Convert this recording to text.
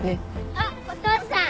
あっお父さん！